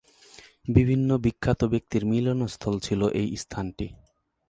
বিভিন্ন বিখ্যাত ব্যক্তির মিলনস্থল ছিল এই স্থানটি।